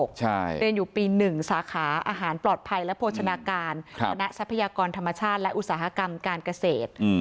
เรียนอยู่ปี๑สาขาอาหารปลอดภัยและโภชนาการคณะทรัพยากรธรรมชาติและอุตสาหกรรมการเกษตร